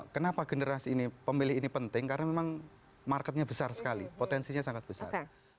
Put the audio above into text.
kenapa generasi ini pemilih ini penting karena memang marketnya besar sekali potensinya sangat besar